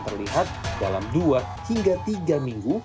terlihat dalam dua hingga tiga minggu